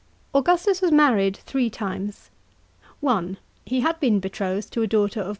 § 2. Augustus was married three times. (1) He had been be trothed to a d mghter of P.